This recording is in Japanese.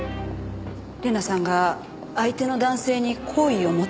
玲奈さんが相手の男性に好意を持ってる事は。